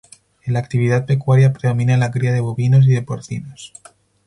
En la actividad pecuaria predomina la cría de bovinos y de porcinos.